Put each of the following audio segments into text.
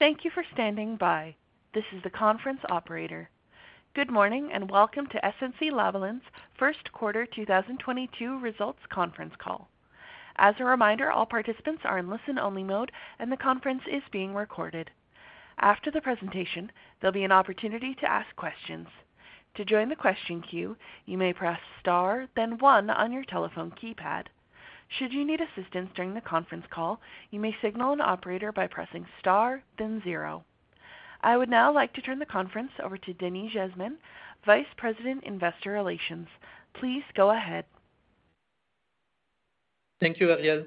Thank you for standing by. This is the conference operator. Good morning and welcome to SNC-Lavalin's first quarter 2022 results conference call. As a reminder, all participants are in listen-only mode and the conference is being recorded. After the presentation, there'll be an opportunity to ask questions. To join the question queue, you may press Star, then one on your telephone keypad. Should you need assistance during the conference call, you may signal an operator by pressing Star then zero. I would now like to turn the conference over to Denis Jasmin, Vice President, Investor Relations. Please go ahead. Thank you, Ariel.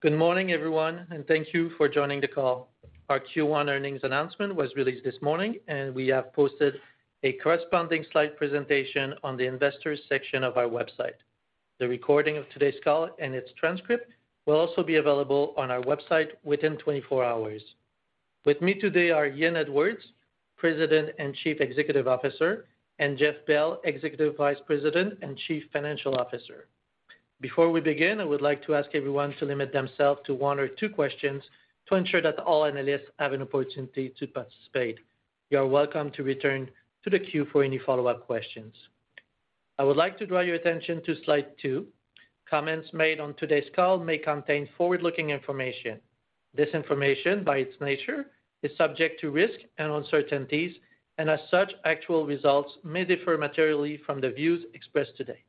Good morning, everyone, and thank you for joining the call. Our Q1 earnings announcement was released this morning, and we have posted a corresponding slide presentation on the investors section of our website. The recording of today's call and its transcript will also be available on our website within 24 hours. With me today are Ian Edwards, President and Chief Executive Officer, and Jeff Bell, Executive Vice President and Chief Financial Officer. Before we begin, I would like to ask everyone to limit themselves to one or two questions to ensure that all analysts have an opportunity to participate. You are welcome to return to the queue for any follow-up questions. I would like to draw your attention to slide 2. Comments made on today's call may contain forward-looking information. This information, by its nature, is subject to risks and uncertainties, and as such, actual results may differ materially from the views expressed today.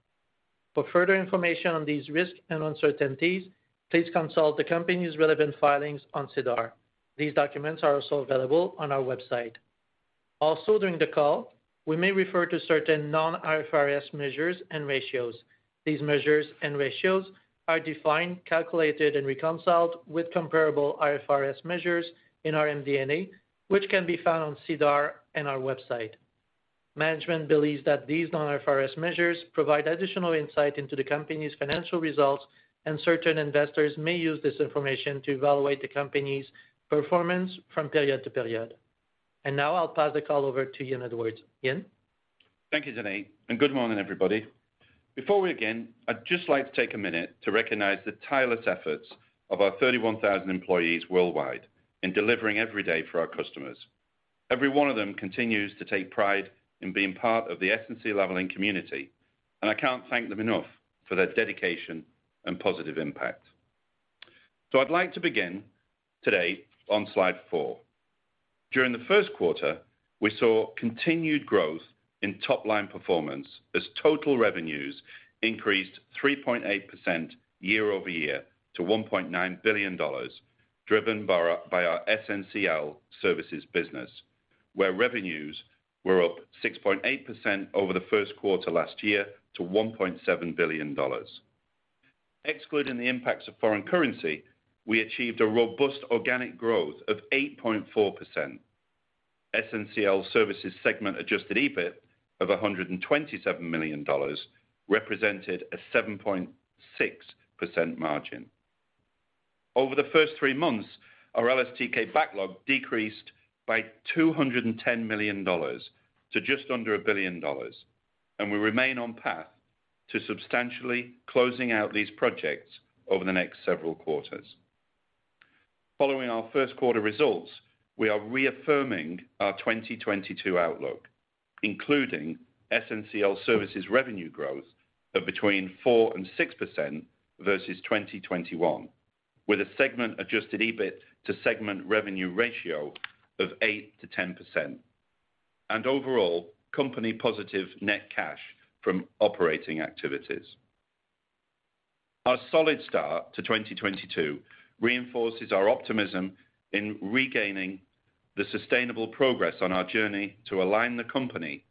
For further information on these risks and uncertainties, please consult the company's relevant filings on SEDAR. These documents are also available on our website. Also, during the call, we may refer to certain non-IFRS measures and ratios. These measures and ratios are defined, calculated, and reconciled with comparable IFRS measures in our MD&A, which can be found on SEDAR in our website. Management believes that these non-IFRS measures provide additional insight into the company's financial results, and certain investors may use this information to evaluate the company's performance from period to period. Now I'll pass the call over to Ian Edwards. Ian. Thank you, Denis, and good morning, everybody. Before we begin, I'd just like to take a minute to recognize the tireless efforts of our 31,000 employees worldwide in delivering every day for our customers. Every one of them continues to take pride in being part of the SNC-Lavalin community, and I can't thank them enough for their dedication and positive impact. I'd like to begin today on slide 4. During the first quarter, we saw continued growth in top-line performance as total revenues increased 3.8% year-over-year to 1.9 billion dollars, driven by our SNCL Services business, where revenues were up 6.8% over the first quarter last year to 1.7 billion dollars. Excluding the impacts of foreign currency, we achieved a robust organic growth of 8.4%. SNCL Services segment adjusted EBIT of 127 million dollars represented a 7.6% margin. Over the first three months, our LSTK backlog decreased by 210 million dollars to just under 1 billion dollars, and we remain on path to substantially closing out these projects over the next several quarters. Following our first quarter results, we are reaffirming our 2022 outlook, including SNCL Services revenue growth of between 4% and 6% versus 2021, with a segment adjusted EBIT to segment revenue ratio of 8%-10%. Overall, company positive net cash from operating activities. Our solid start to 2022 reinforces our optimism in regaining the sustainable progress on our journey to align the company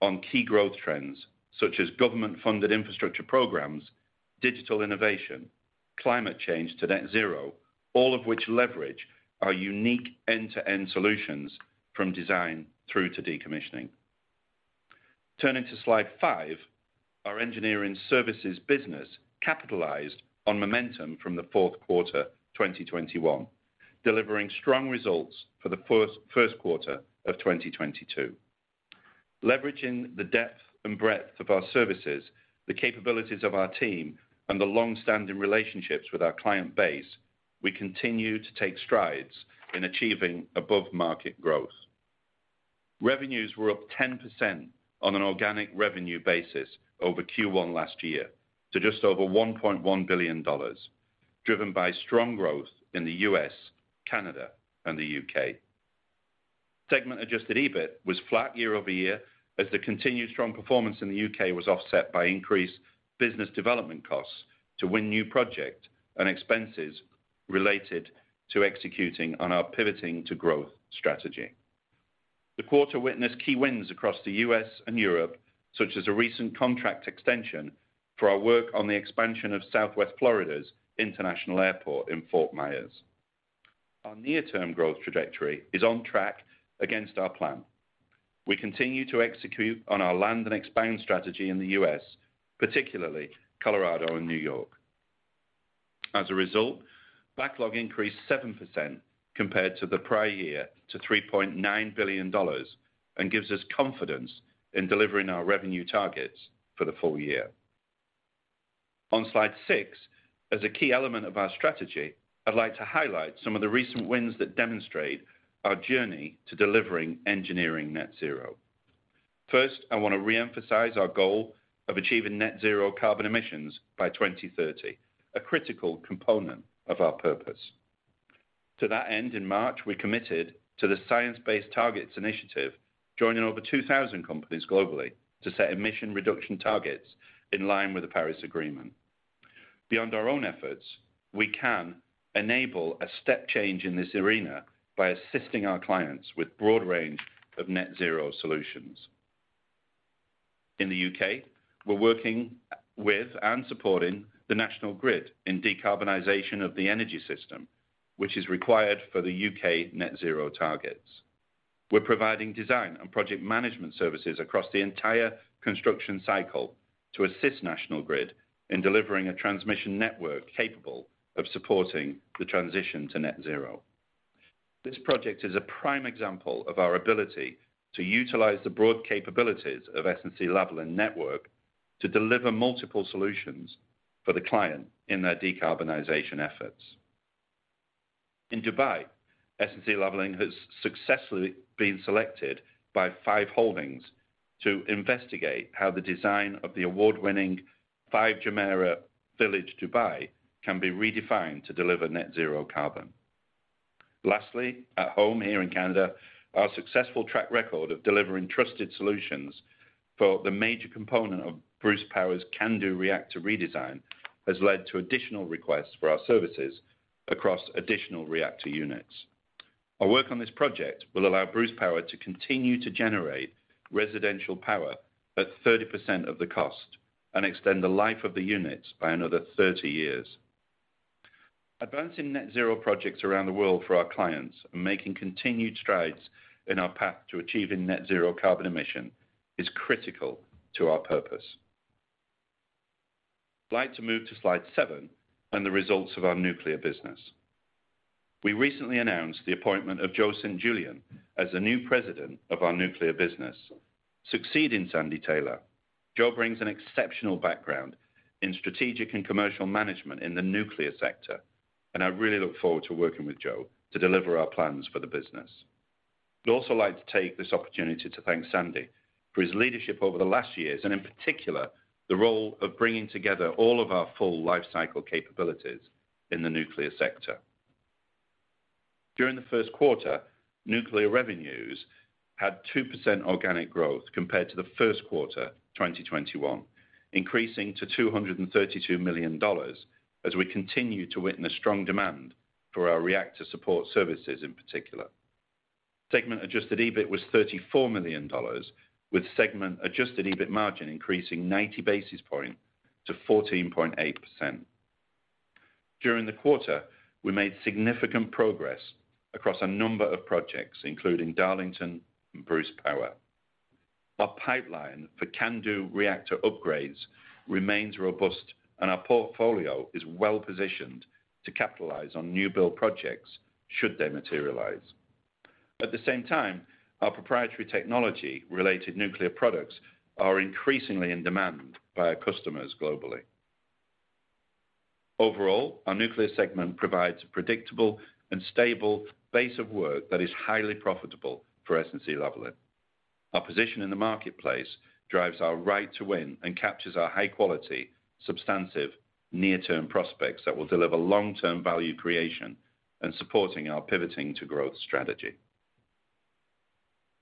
on key growth trends, such as government-funded infrastructure programs, digital innovation, climate change to net zero, all of which leverage our unique end-to-end solutions from design through to decommissioning. Turning to slide 5, our engineering services business capitalized on momentum from the fourth quarter 2021, delivering strong results for the first quarter of 2022. Leveraging the depth and breadth of our services, the capabilities of our team, and the long-standing relationships with our client base, we continue to take strides in achieving above-market growth. Revenues were up 10% on an organic revenue basis over Q1 last year to just over 1.1 billion dollars, driven by strong growth in the U.S., Canada, and the U.K. Segment adjusted EBIT was flat year-over-year as the continued strong performance in the U.K. was offset by increased business development costs to win new project and expenses related to executing on our pivoting to growth strategy. The quarter witnessed key wins across the U.S. and Europe, such as a recent contract extension for our work on the expansion of Southwest Florida's International Airport in Fort Myers. Our near-term growth trajectory is on track against our plan. We continue to execute on our land and expand strategy in the U.S., particularly Colorado and New York. As a result, backlog increased 7% compared to the prior year to 3.9 billion dollars and gives us confidence in delivering our revenue targets for the full year. On slide six, as a key element of our strategy, I'd like to highlight some of the recent wins that demonstrate our journey to delivering engineering net zero. First, I wanna reemphasize our goal of achieving net zero carbon emissions by 2030, a critical component of our purpose. To that end, in March, we committed to the Science Based Targets initiative, joining over 2,000 companies globally to set emission reduction targets in line with the Paris Agreement. Beyond our own efforts, we can enable a step change in this arena by assisting our clients with broad range of net zero solutions. In the UK, we're working with and supporting the National Grid in decarbonization of the energy system, which is required for the UK net zero targets. We're providing design and project management services across the entire construction cycle to assist National Grid in delivering a transmission network capable of supporting the transition to net zero. This project is a prime example of our ability to utilize the broad capabilities of SNC-Lavalin network to deliver multiple solutions for the client in their decarbonization efforts. In Dubai, SNC-Lavalin has successfully been selected by FIVE Holdings to investigate how the design of the award-winning Five Jumeirah Village, Dubai can be redefined to deliver net zero carbon. Lastly, at home here in Canada, our successful track record of delivering trusted solutions for the major component of Bruce Power's CANDU Reactor redesign has led to additional requests for our services across additional reactor units. Our work on this project will allow Bruce Power to continue to generate residential power at 30% of the cost and extend the life of the units by another 30 years. Advancing net zero projects around the world for our clients and making continued strides in our path to achieving net zero carbon emission is critical to our purpose. I'd like to move to slide 7 and the results of our nuclear business. We recently announced the appointment of Joe St. Julian as the new president of our nuclear business succeeding Sandy Taylor. Joe brings an exceptional background in strategic and commercial management in the nuclear sector, and I really look forward to working with Joe to deliver our plans for the business. We'd also like to take this opportunity to thank Sandy for his leadership over the last years, and in particular, the role of bringing together all of our full lifecycle capabilities in the nuclear sector. During the first quarter, nuclear revenues had 2% organic growth compared to the first quarter 2021, increasing to 232 million dollars as we continue to witness strong demand for our reactor support services in particular. Segment adjusted EBIT was 34 million dollars with segment adjusted EBIT margin increasing 90 basis points to 14.8%. During the quarter, we made significant progress across a number of projects including Darlington and Bruce Power. Our pipeline for CANDU reactor upgrades remains robust and our portfolio is well-positioned to capitalize on new build projects should they materialize. At the same time, our proprietary technology related nuclear products are increasingly in demand by our customers globally. Overall, our nuclear segment provides a predictable and stable base of work that is highly profitable for SNC-Lavalin. Our position in the marketplace drives our right to win and captures our high quality, substantive near-term prospects that will deliver long-term value creation and supporting our pivoting to growth strategy.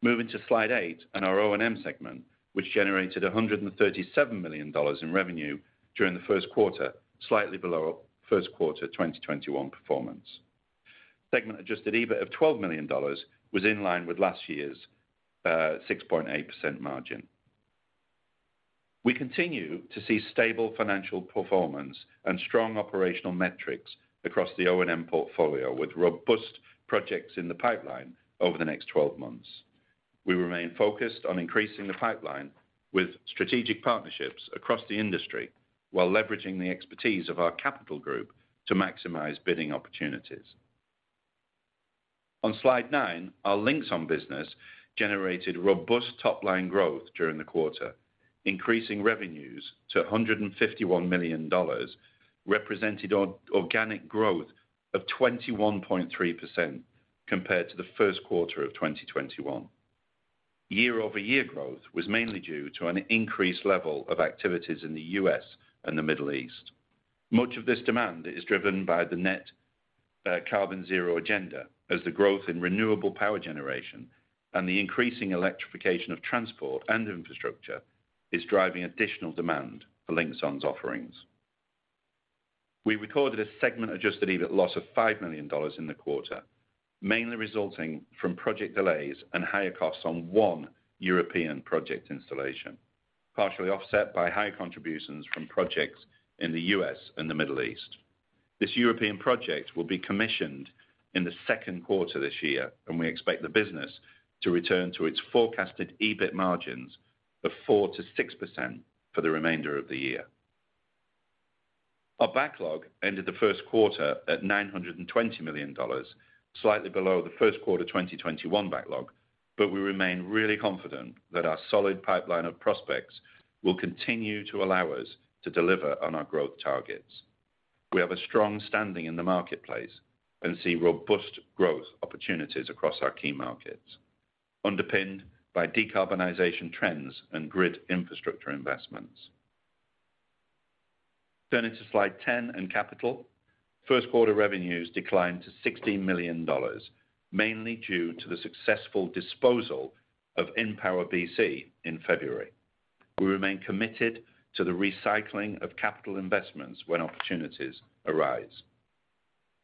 Moving to slide 8 and our O&M segment, which generated 137 million dollars in revenue during the first quarter, slightly below first quarter 2021 performance. Segment adjusted EBIT of 12 million dollars was in line with last year's 6.8% margin. We continue to see stable financial performance and strong operational metrics across the O&M portfolio with robust projects in the pipeline over the next 12 months. We remain focused on increasing the pipeline with strategic partnerships across the industry while leveraging the expertise of our capital group to maximize bidding opportunities. On slide nine, our Linxon business generated robust top-line growth during the quarter, increasing revenues to 151 million dollars, representing organic growth of 21.3% compared to the first quarter of 2021. Year-over-year growth was mainly due to an increased level of activities in the U.S. and the Middle East. Much of this demand is driven by the net-zero carbon agenda as the growth in renewable power generation and the increasing electrification of transport and infrastructure is driving additional demand for Linxon offerings. We recorded a segment adjusted EBIT loss of 5 million dollars in the quarter, mainly resulting from project delays and higher costs on one European project installation, partially offset by high contributions from projects in the US and the Middle East. This European project will be commissioned in the second quarter this year, and we expect the business to return to its forecasted EBIT margins of 4%-6% for the remainder of the year. Our backlog ended the first quarter at 920 million dollars, slightly below the first quarter 2021 backlog. We remain really confident that our solid pipeline of prospects will continue to allow us to deliver on our growth targets. We have a strong standing in the marketplace and see robust growth opportunities across our key markets, underpinned by decarbonization trends and grid infrastructure investments. Turning to slide 10 and capital. First quarter revenues declined to 60 million dollars, mainly due to the successful disposal of InPower BC in February. We remain committed to the recycling of capital investments when opportunities arise.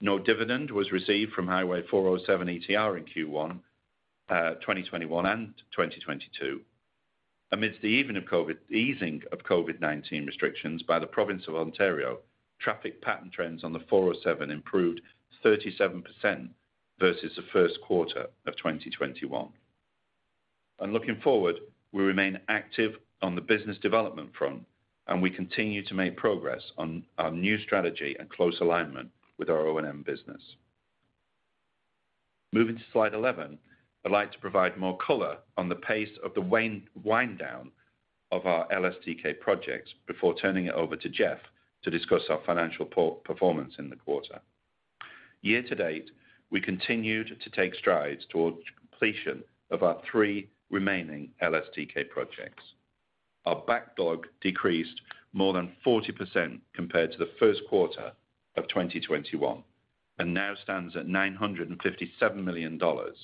No dividend was received from Highway 407 ETR in Q1, 2021 and 2022. Amidst the easing of COVID-19 restrictions by the province of Ontario, traffic pattern trends on the 407 improved 37% versus the first quarter of 2021. Looking forward, we remain active on the business development front, and we continue to make progress on our new strategy and close alignment with our O&M business. Moving to slide 11. I'd like to provide more color on the pace of the wind down of our LSTK projects before turning it over to Jeff to discuss our financial performance in the quarter. Year to date, we continued to take strides towards completion of our three remaining LSTK projects. Our backlog decreased more than 40% compared to the first quarter of 2021 and now stands at 957 million dollars.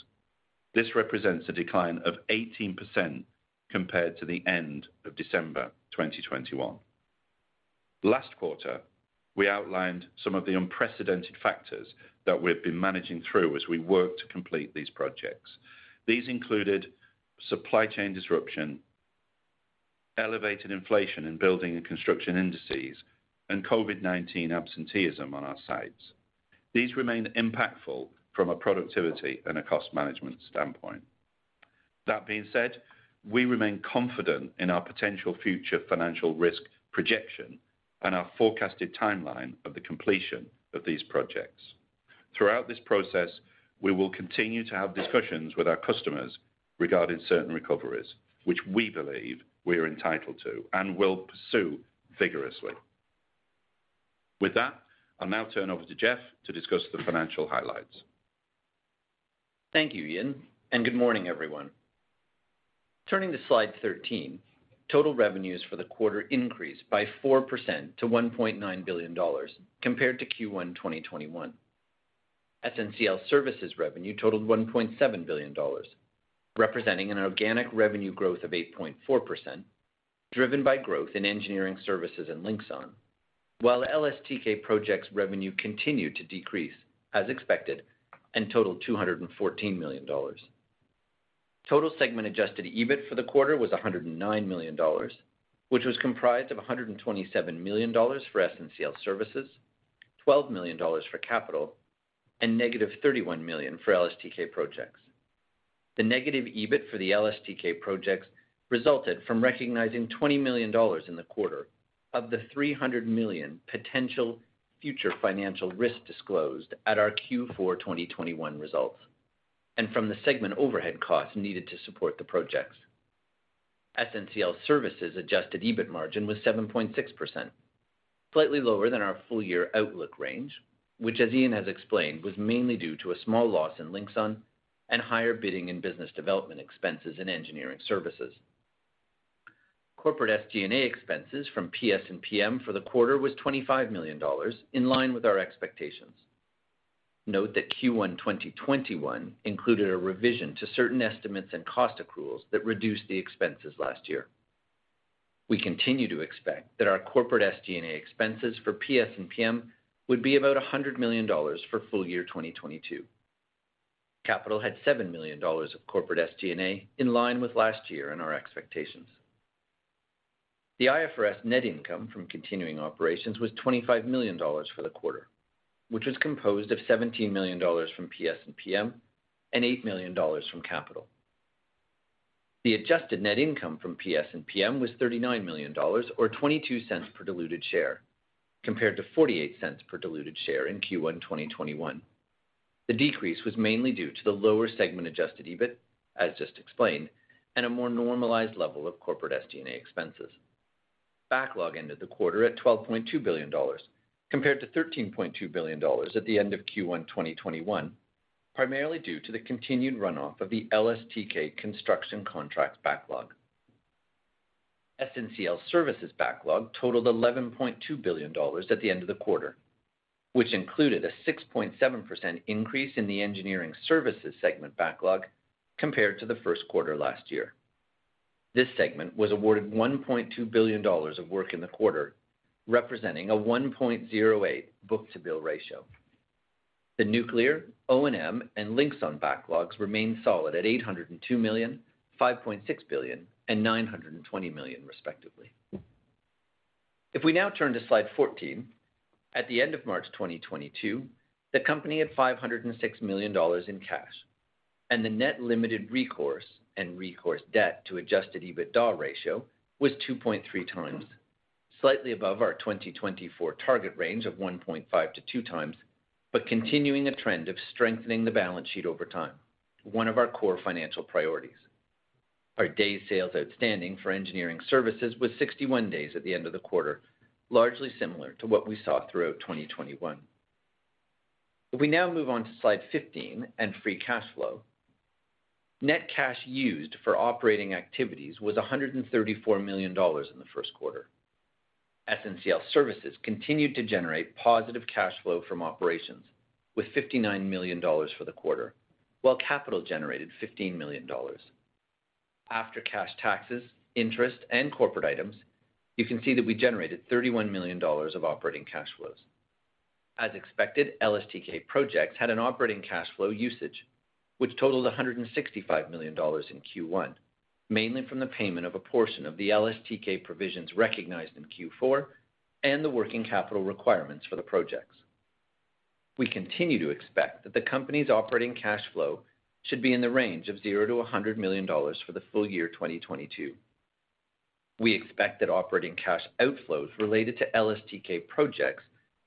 This represents a decline of 18% compared to the end of December 2021. Last quarter, we outlined some of the unprecedented factors that we've been managing through as we work to complete these projects. These included supply chain disruption, elevated inflation in building and construction indices, and COVID-19 absenteeism on our sites. These remain impactful from a productivity and a cost management standpoint. That being said, we remain confident in our potential future financial risk projection and our forecasted timeline of the completion of these projects. Throughout this process, we will continue to have discussions with our customers regarding certain recoveries, which we believe we are entitled to and will pursue vigorously. With that, I'll now turn over to Jeff to discuss the financial highlights. Thank you, Ian, and good morning, everyone. Turning to slide 13. Total revenues for the quarter increased by 4% to 1.9 billion dollars compared to Q1 2021. SNCL Services revenue totaled 1.7 billion dollars, representing an organic revenue growth of 8.4%, driven by growth in engineering services and Linxon. While LSTK Project's revenue continued to decrease as expected and totaled 214 million dollars. Total segment adjusted EBIT for the quarter was 109 million dollars, which was comprised of 127 million dollars for SNCL Services, 12 million dollars for Capital, and negative 31 million for LSTK Projects. The negative EBIT for the LSTK Projects resulted from recognizing 20 million dollars in the quarter of the 300 million potential future financial risk disclosed at our Q4 2021 results, and from the segment overhead costs needed to support the projects. SNCL Services adjusted EBIT margin was 7.6%, slightly lower than our full year outlook range, which as Ian has explained, was mainly due to a small loss in Linxon and higher bidding and business development expenses in engineering services. Corporate SG&A expenses from PS&PM for the quarter was 25 million dollars, in line with our expectations. Note that Q1 2021 included a revision to certain estimates and cost accruals that reduced the expenses last year. We continue to expect that our corporate SG&A expenses for PS&PM would be about 100 million dollars for full year 2022. Capital had 7 million dollars of corporate SG&A in line with last year and our expectations. The IFRS net income from continuing operations was 25 million dollars for the quarter, which was composed of 17 million dollars from PS&PM and 8 million dollars from Capital. The adjusted net income from PS&PM was 39 million dollars or 0.22 per diluted share, compared to 0.48 per diluted share in Q1 2021. The decrease was mainly due to the lower segment adjusted EBIT, as just explained, and a more normalized level of corporate SG&A expenses. Backlog ended the quarter at 12.2 billion dollars, compared to 13.2 billion dollars at the end of Q1 2021, primarily due to the continued runoff of the LSTK construction contracts backlog. SNCL Services backlog totaled 11.2 billion dollars at the end of the quarter, which included a 6.7% increase in the engineering services segment backlog compared to the first quarter last year. This segment was awarded 1.2 billion dollars of work in the quarter, representing a 1.08 book-to-bill ratio. The nuclear, O&M, and Linxon backlogs remain solid at 802 million, 5.6 billion, and 920 million, respectively. If we now turn to slide 14. At the end of March 2022, the company had 506 million dollars in cash. The net limited recourse and recourse debt to adjusted EBITDA ratio was 2.3 times, slightly above our 2024 target range of 1.5-2 times, but continuing a trend of strengthening the balance sheet over time, one of our core financial priorities. Our day sales outstanding for engineering services was 61 days at the end of the quarter, largely similar to what we saw throughout 2021. If we now move on to slide 15 and free cash flow. Net cash used for operating activities was 134 million dollars in the first quarter. SNCL Services continued to generate positive cash flow from operations with 59 million dollars for the quarter, while capital generated 15 million dollars. After cash taxes, interest, and corporate items, you can see that we generated 31 million dollars of operating cash flows. As expected, LSTK Projects had an operating cash flow usage, which totaled 165 million dollars in Q1, mainly from the payment of a portion of the LSTK provisions recognized in Q4 and the working capital requirements for the projects. We continue to expect that the company's operating cash flow should be in the range of 0-100 million dollars for the full year 2022. We expect that operating cash outflows related to LSTK Projects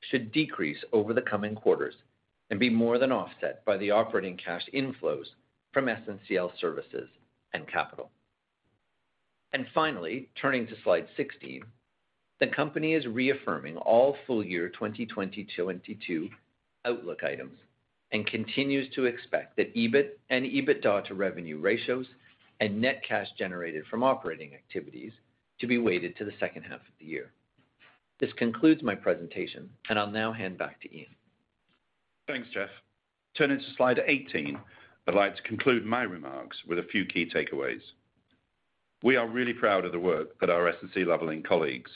should decrease over the coming quarters and be more than offset by the operating cash inflows from SNCL Services and capital. Finally, turning to slide 16, the company is reaffirming all full year 2022 outlook items and continues to expect that EBIT and EBITDA to revenue ratios and net cash generated from operating activities to be weighted to the second half of the year. This concludes my presentation, and I'll now hand back to Ian. Thanks, Jeff. Turning to slide 18, I'd like to conclude my remarks with a few key takeaways. We are really proud of the work that our SNCL colleagues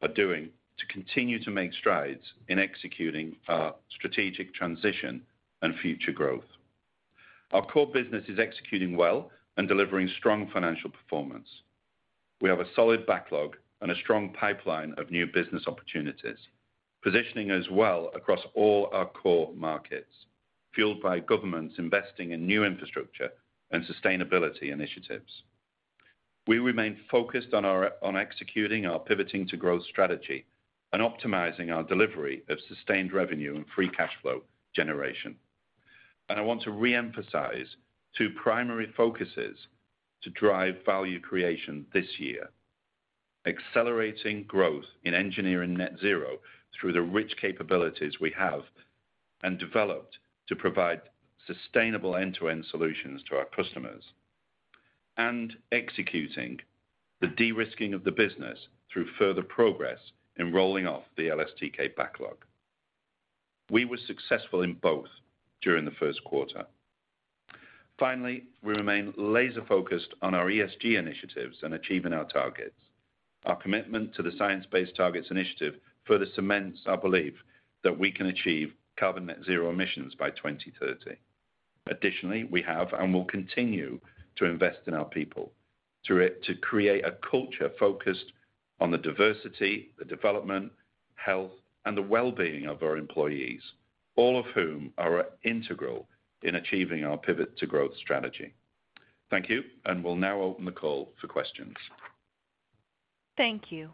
are doing to continue to make strides in executing our strategic transition and future growth. Our core business is executing well and delivering strong financial performance. We have a solid backlog and a strong pipeline of new business opportunities, positioning us well across all our core markets, fueled by governments investing in new infrastructure and sustainability initiatives. We remain focused on executing our pivoting to growth strategy and optimizing our delivery of sustained revenue and free cash flow generation. I want to reemphasize two primary focuses to drive value creation this year: accelerating growth in engineering net zero through the rich capabilities we have and developed to provide sustainable end-to-end solutions to our customers, and executing the de-risking of the business through further progress in rolling off the LSTK backlog. We were successful in both during the first quarter. Finally, we remain laser-focused on our ESG initiatives and achieving our targets. Our commitment to the Science Based Targets initiative further cements our belief that we can achieve carbon net zero emissions by 2030. Additionally, we have and will continue to invest in our people to create a culture focused on the diversity, the development, health, and the well-being of our employees, all of whom are integral in achieving our pivot to growth strategy. Thank you, and we'll now open the call for questions. Thank you.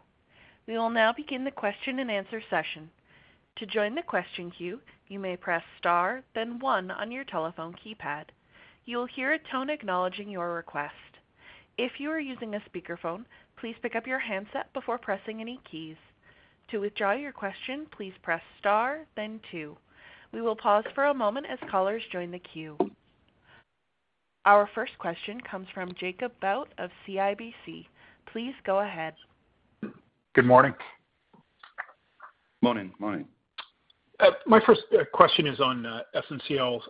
We will now begin the question-and-answer session. To join the question queue, you may press Star, then One on your telephone keypad. You will hear a tone acknowledging your request. If you are using a speakerphone, please pick up your handset before pressing any keys. To withdraw your question, please press Star then Two. We will pause for a moment as callers join the queue. Our first question comes from Jacob Bout of CIBC. Please go ahead. Good morning. Morning. Morning. My first question is on SNCL's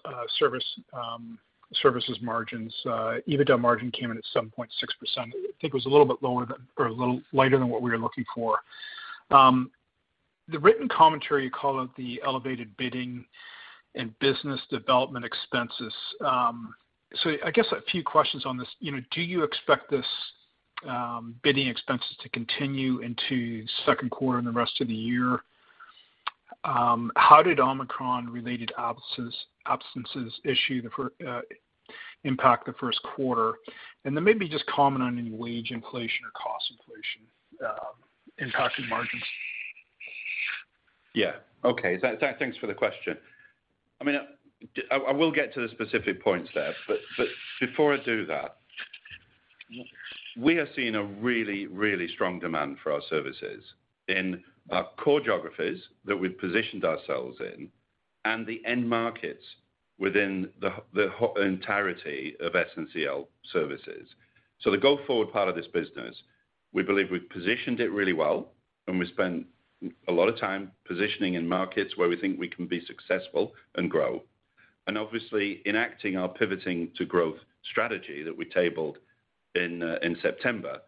services margins. EBITDA margin came in at 7.6%. I think it was a little bit lower than or a little lighter than what we were looking for. The written commentary, you call it the elevated bidding and business development expenses. I guess a few questions on this. You know, do you expect this bidding expenses to continue into second quarter and the rest of the year? How did Omicron-related absences impact the first quarter? Maybe just comment on any wage inflation or cost inflation impacting margins. Yeah. Okay. Thanks for the question. I mean, I will get to the specific points there, but before I do that, we are seeing a really strong demand for our services in our core geographies that we've positioned ourselves in and the end markets within the entirety of SNCL Services. The go-forward part of this business, we believe we've positioned it really well, and we spent a lot of time positioning in markets where we think we can be successful and grow. Obviously, enacting our pivoting to growth strategy that we tabled in September,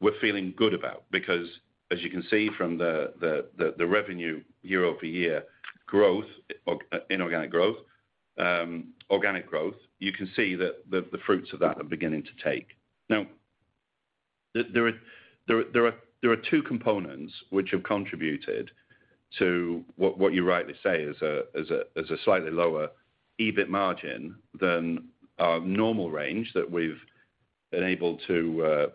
we're feeling good about because as you can see from the revenue year-over-year growth, organic growth, you can see that the fruits of that are beginning to take. There are two components which have contributed to what you rightly say is a slightly lower EBIT margin than our normal range that we've been able to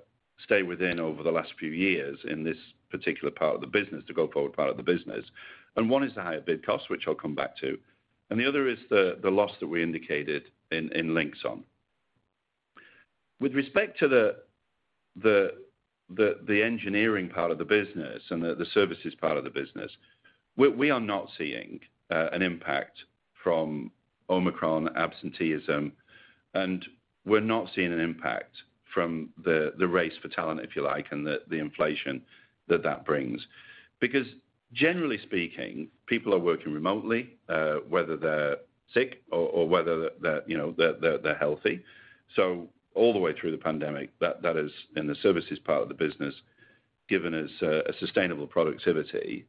stay within over the last few years in this particular part of the business, the go-forward part of the business. One is the higher bid cost, which I'll come back to, and the other is the loss that we indicated in Linxon. With respect to the engineering part of the business and the services part of the business, we are not seeing an impact from Omicron absenteeism, and we're not seeing an impact from the race for talent, if you like, and the inflation that that brings. Because generally speaking, people are working remotely, whether they're sick or whether they're, you know, healthy. All the way through the pandemic, that is in the services part of the business given us a sustainable productivity.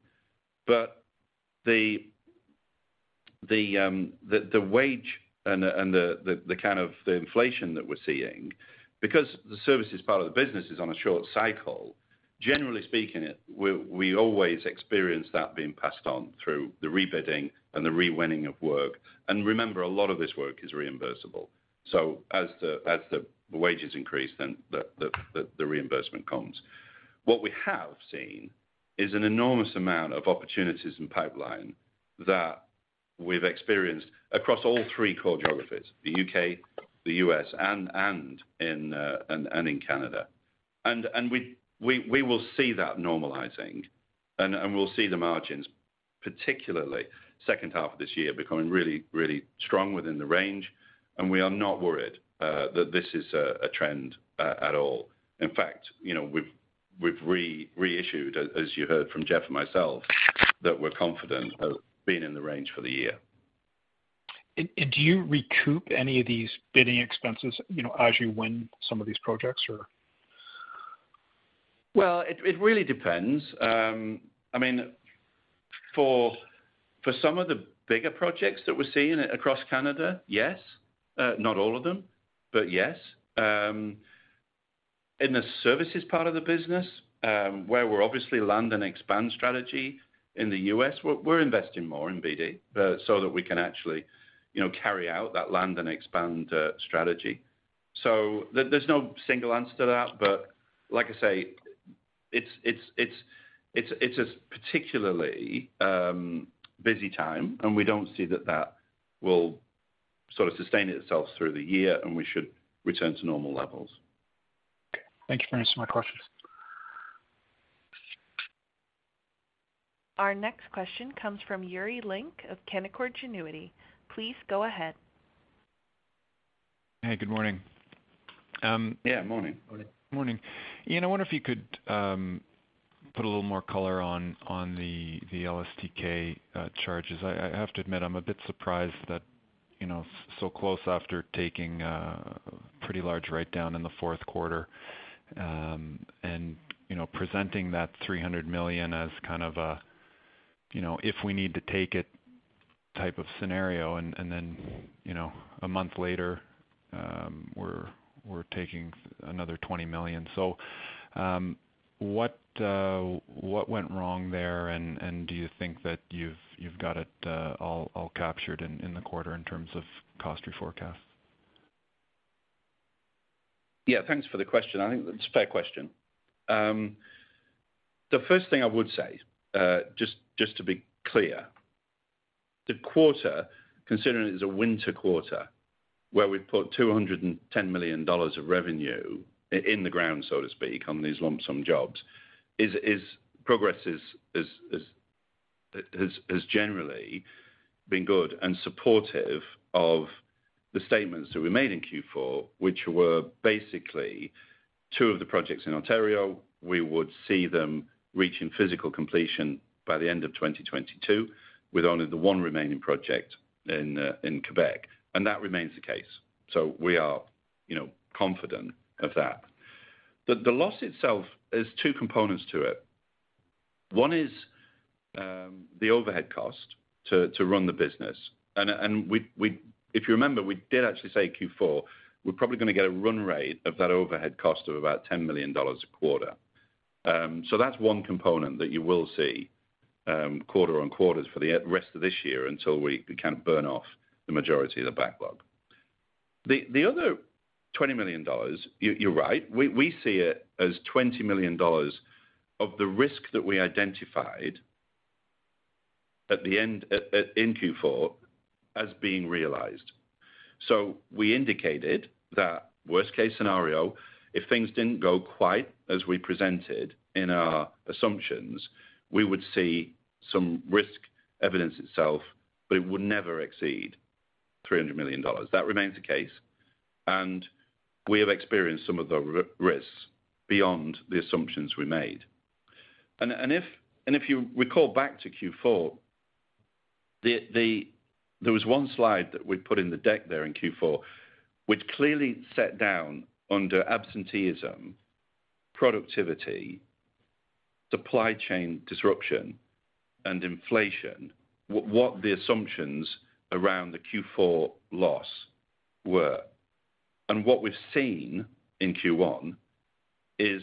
But the wage and the kind of inflation that we're seeing, because the services part of the business is on a short cycle, generally speaking, we always experience that being passed on through the rebidding and the re-winning of work. Remember, a lot of this work is reimbursable. As the wages increase, then the reimbursement comes. What we have seen is an enormous amount of opportunities and pipeline that we've experienced across all three core geographies, the U.K., the U.S., and in Canada. We will see that normalizing, and we'll see the margins, particularly second half of this year, becoming really strong within the range, and we are not worried that this is a trend at all. In fact, you know, we've reissued, as you heard from Jeff and myself, that we're confident of being in the range for the year. Do you recoup any of these bidding expenses, you know, as you win some of these projects or? Well, it really depends. I mean, for some of the bigger projects that we're seeing across Canada, yes, not all of them, but yes. In the services part of the business, where we're obviously land and expand strategy in the US, we're investing more in BD, so that we can actually, you know, carry out that land and expand strategy. There's no single answer to that. Like I say, it's a particularly busy time, and we don't see that will sort of sustain itself through the year, and we should return to normal levels. Okay. Thank you for answering my questions. Our next question comes from Yuri Lynk of Canaccord Genuity. Please go ahead. Hey, good morning. Yeah, morning. Morning. Morning. Ian, I wonder if you could put a little more color on the LSTK charges. I have to admit, I'm a bit surprised that, you know, so close after taking a pretty large write-down in the fourth quarter, and, you know, presenting that 300 million as kind of a, you know, if we need to take it type of scenario and, then, you know, a month later, we're taking another 20 million. What went wrong there, and do you think that you've got it all captured in the quarter in terms of cost or forecast? Yeah, thanks for the question. I think it's a fair question. The first thing I would say, just to be clear, the quarter, considering it is a winter quarter, where we put 210 million dollars of revenue in the ground, so to speak, on these lump sum jobs, progress has generally been good and supportive of the statements that we made in Q4, which were basically two of the projects in Ontario. We would see them reaching physical completion by the end of 2022 with only the one remaining project in Quebec, and that remains the case. We are, you know, confident of that. The loss itself, there's two components to it. One is the overhead cost to run the business. If you remember, we did actually say Q4, we're probably gonna get a run rate of that overhead cost of about 10 million dollars a quarter. So that's one component that you will see, quarter on quarter for the rest of this year until we kind of burn off the majority of the backlog. The other 20 million dollars, you're right, we see it as 20 million dollars of the risk that we identified at the end in Q4 as being realized. We indicated that worst case scenario, if things didn't go quite as we presented in our assumptions, we would see some risk evidence itself, but it would never exceed 300 million dollars. That remains the case, and we have experienced some of the risks beyond the assumptions we made. If you recall back to Q4, there was one slide that we put in the deck there in Q4, which clearly set out under absenteeism, productivity, supply chain disruption and inflation, what the assumptions around the Q4 loss were. What we've seen in Q1 is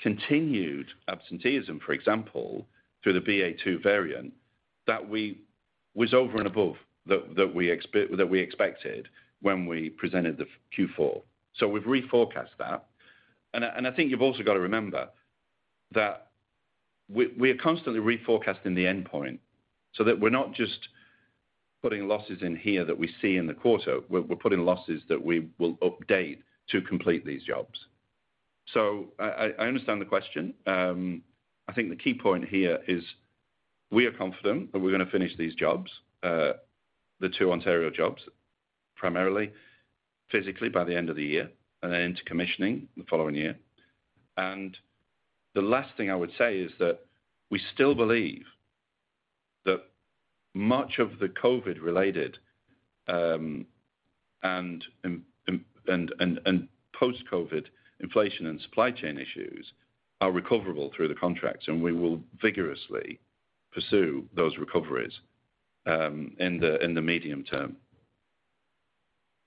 continued absenteeism, for example, through the BA.2 variant that was over and above that we expected when we presented the Q4. We've reforecast that. I think you've also got to remember that we are constantly reforecasting the endpoint so that we're not just putting losses in here that we see in the quarter. We're putting losses that we will update to complete these jobs. I understand the question. I think the key point here is we are confident that we're gonna finish these jobs, the two Ontario jobs primarily, physically by the end of the year, and then into commissioning the following year. The last thing I would say is that we still believe that much of the COVID-related and post-COVID inflation and supply chain issues are recoverable through the contracts, and we will vigorously pursue those recoveries, in the medium term.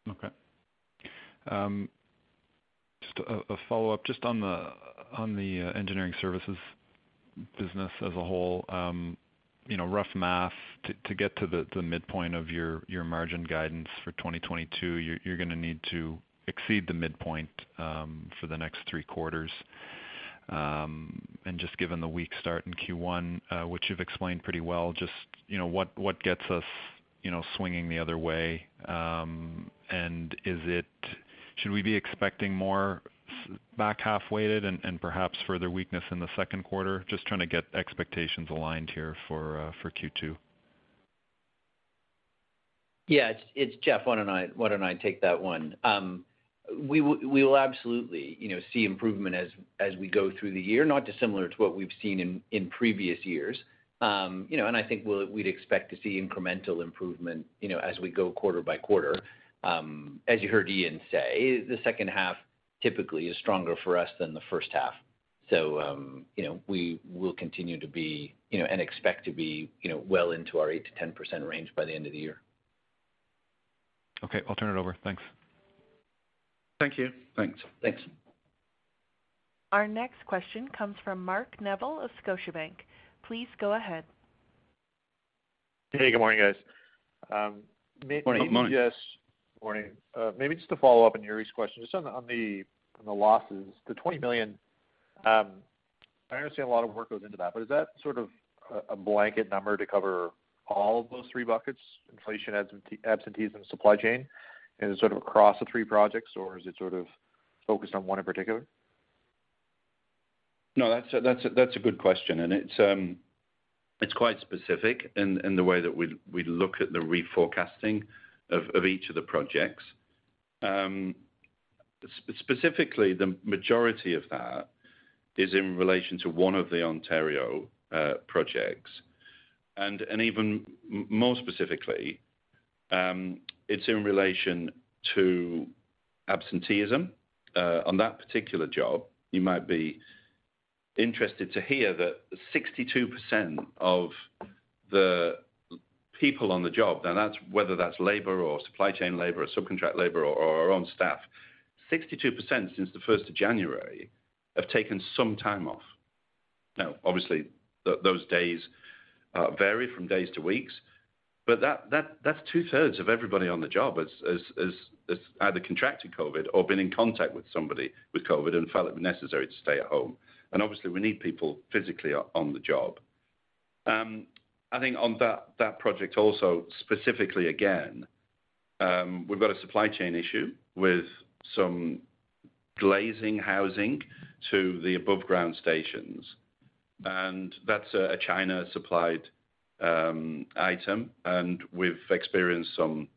Okay. Just a follow-up just on the engineering services business as a whole. You know, rough math to get to the midpoint of your margin guidance for 2022, you're gonna need to exceed the midpoint for the next three quarters. Just given the weak start in Q1, which you've explained pretty well, you know, what gets us swinging the other way? Is it, should we be expecting more back-half weighted and perhaps further weakness in the second quarter? Just trying to get expectations aligned here for Q2. Yeah, it's Jeff. Why don't I take that one? We will absolutely, you know, see improvement as we go through the year, not dissimilar to what we've seen in previous years. You know, and I think we'd expect to see incremental improvement, you know, as we go quarter by quarter. As you heard Ian say, the second half typically is stronger for us than the first half. You know, we will continue to be, you know, and expect to be, you know, well into our 8%-10% range by the end of the year. Okay. I'll turn it over. Thanks. Thank you. Thanks. Thanks. Our next question comes from Mark Neville of Scotiabank. Please go ahead. Hey, good morning, guys. Morning. Morning. Maybe just to follow up on Yuri's question, just on the losses, the 20 million, I understand a lot of work goes into that, but is that sort of a blanket number to cover all of those three buckets, inflation, absenteeism, supply chain? Is it sort of across the three projects, or is it sort of focused on one in particular? No, that's a good question, and it's quite specific in the way that we look at the reforecasting of each of the projects. Specifically, the majority of that is in relation to one of the Ontario projects. Even more specifically, it's in relation to absenteeism on that particular job. You might be interested to hear that 62% of the people on the job, now that's whether that's labor or supply chain labor or subcontract labor or our own staff, 62% since the first of January have taken some time off. Now, obviously, those days vary from days to weeks, but that's two-thirds of everybody on the job has either contracted COVID or been in contact with somebody with COVID and felt it necessary to stay at home. Obviously, we need people physically on the job. I think on that project also, specifically again, we've got a supply chain issue with some glazing housing to the above ground stations. That's a China-supplied item, and we've experienced some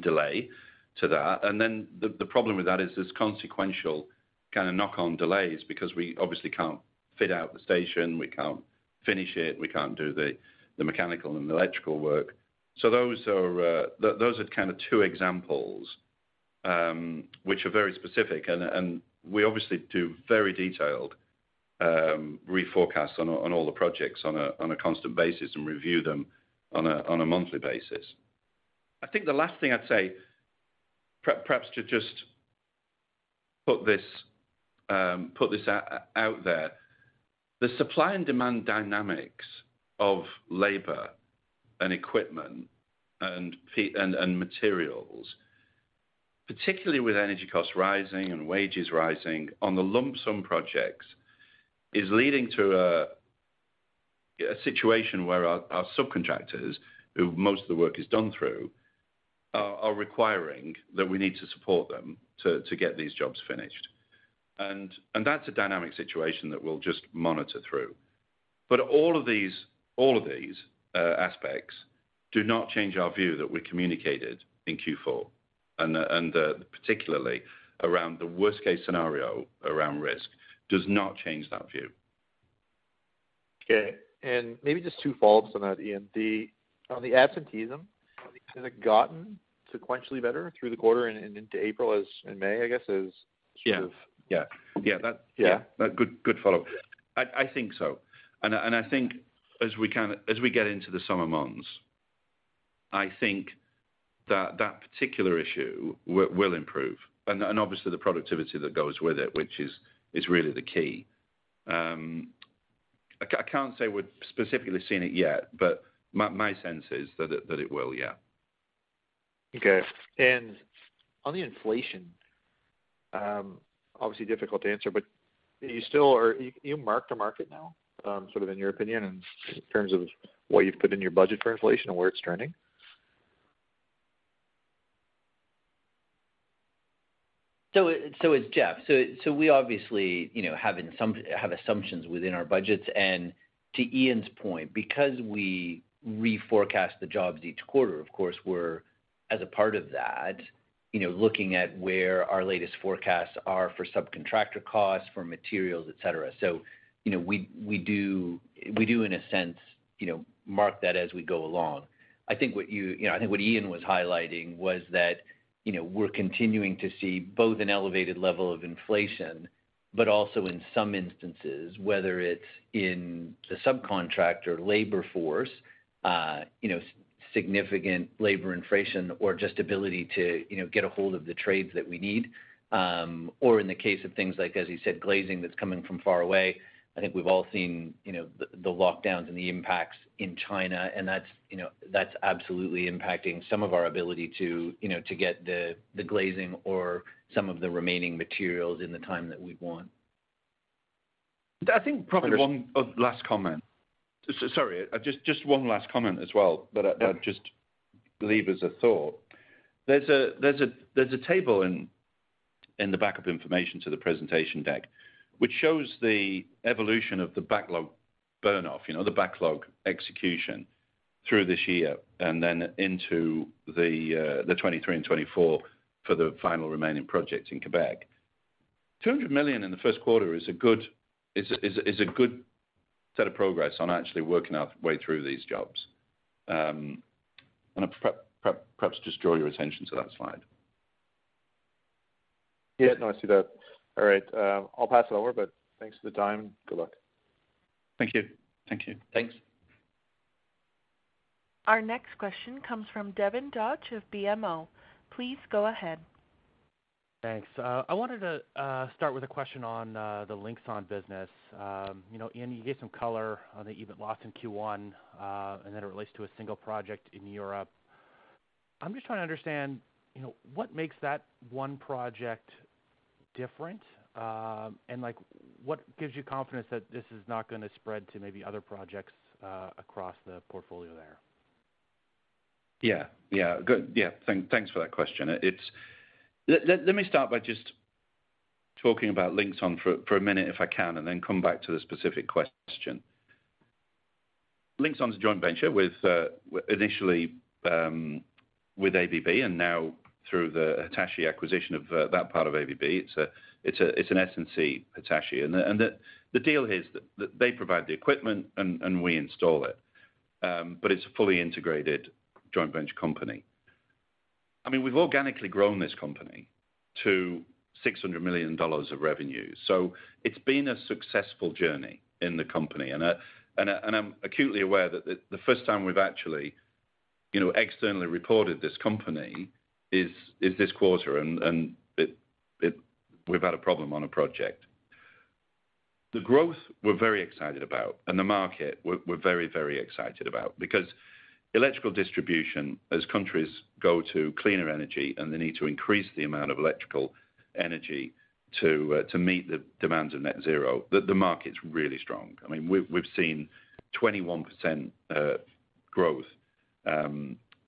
delay to that. Then the problem with that is there's consequential kind of knock-on delays because we obviously can't fit out the station, we can't finish it, we can't do the mechanical and the electrical work. Those are kind of two examples, which are very specific, and we obviously do very detailed reforecast on all the projects on a constant basis and review them on a monthly basis. I think the last thing I'd say, perhaps to just put this out there, the supply and demand dynamics of labor and equipment and materials, particularly with energy costs rising and wages rising on the lump sum projects, is leading to a situation where our subcontractors, who most of the work is done through, are requiring that we need to support them to get these jobs finished. That's a dynamic situation that we'll just monitor through. All of these aspects do not change our view that we communicated in Q4, and particularly around the worst case scenario around risk does not change that view. Okay. Maybe just two follows on that, Ian. Then, on the absenteeism, has it gotten sequentially better through the quarter and into April and May, I guess? Yeah. Sort of- Yeah. Yeah? Good follow-up. I think so. I think as we get into the summer months, I think that particular issue will improve. Obviously the productivity that goes with it, which is really the key. I can't say we're specifically seeing it yet, but my sense is that it will, yeah. Okay. On the inflation, obviously difficult to answer, but you mark to market now, sort of in your opinion, in terms of what you've put in your budget for inflation and where it's turning? It's Jeff. We obviously, you know, have assumptions within our budgets. To Ian's point, because we reforecast the jobs each quarter, of course, we're, as a part of that, you know, looking at where our latest forecasts are for subcontractor costs, for materials, et cetera. You know, we do in a sense, you know, mark that as we go along. I think what you know, I think what Ian was highlighting was that, you know, we're continuing to see both an elevated level of inflation, but also in some instances, whether it's in the subcontractor labor force, you know, significant labor inflation or just ability to, you know, get a hold of the trades that we need. Or in the case of things like, as you said, glazing that's coming from far away. I think we've all seen, you know, the lockdowns and the impacts in China, and that's, you know, absolutely impacting some of our ability to, you know, to get the glazing or some of the remaining materials in the time that we want. I think probably one last comment. Sorry. Just one last comment as well that I Yeah. Just leave as a thought. There's a table in the back of information to the presentation deck, which shows the evolution of the backlog burn off, you know, the backlog execution through this year and then into the 2023 and 2024 for the final remaining projects in Quebec. 200 million in the first quarter is a good set of progress on actually working our way through these jobs. Perhaps just draw your attention to that slide. Yeah. No, I see that. All right, I'll pass it over, but thanks for the time. Good luck. Thank you. Thank you. Thanks. Our next question comes from Devin Dodge of BMO. Please go ahead. Thanks. I wanted to start with a question on the Linxon business. You know, Ian, you gave some color on the EBIT loss in Q1, and that it relates to a single project in Europe. I'm just trying to understand, you know, what makes that one project different, and like what gives you confidence that this is not gonna spread to maybe other projects across the portfolio there? Thanks for that question. It's. Let me start by just talking about Linxon for a minute, if I can, and then come back to the specific question. Linxon is a joint venture with, initially, with ABB, and now through the Hitachi acquisition of that part of ABB. It's an SNC, Hitachi. And the deal is that they provide the equipment and we install it. But it's a fully integrated joint venture company. I mean, we've organically grown this company to 600 million dollars of revenue, so it's been a successful journey in the company. And I'm acutely aware that the first time we've actually, you know, externally reported this company is this quarter, and we've had a problem on a project. The growth, we're very excited about, and the market, we're very excited about because electrical distribution, as countries go to cleaner energy and the need to increase the amount of electrical energy to meet the demands of net zero, the market's really strong. I mean, we've seen 21% growth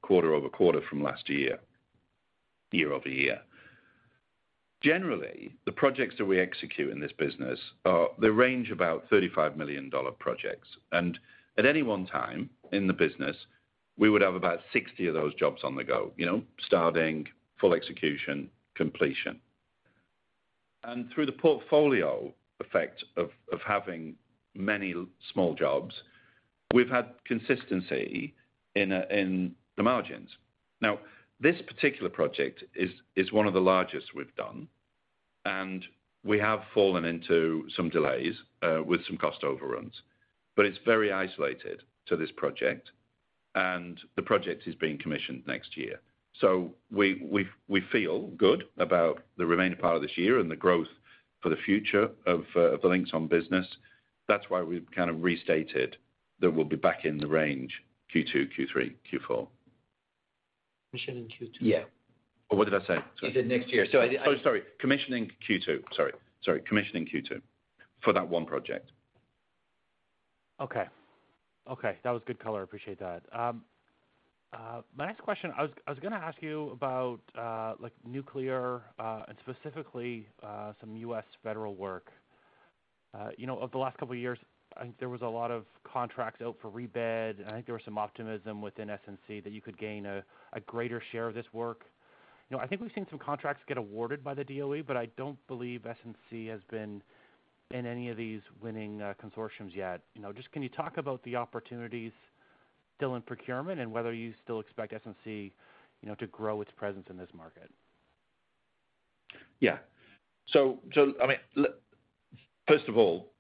quarter-over-quarter from last year-over-year. Generally, the projects that we execute in this business are the range about 35 million dollar projects. At any one time in the business, we would have about 60 of those jobs on the go, you know, starting, full execution, completion. Through the portfolio effect of having many small jobs, we've had consistency in the margins. Now, this particular project is one of the largest we've done, and we have fallen into some delays with some cost overruns, but it's very isolated to this project, and the project is being commissioned next year. We feel good about the remaining part of this year and the growth for the future of the Linxon business. That's why we've kind of restated that we'll be back in the range Q2, Q3, Q4. Commissioning Q2. Yeah. What did I say? Sorry. You said next year. Sorry. Commissioning Q2 for that one project. Okay. That was good color. I appreciate that. My next question, I was gonna ask you about, like nuclear, and specifically, some U.S. federal work. You know, over the last couple of years, I think there was a lot of contracts out for rebid, and I think there was some optimism within SNC that you could gain a greater share of this work. You know, I think we've seen some contracts get awarded by the DOE, but I don't believe SNC has been in any of these winning consortiums yet. You know, just can you talk about the opportunities still in procurement and whether you still expect SNC, you know, to grow its presence in this market? Yeah. I mean, look, first of all,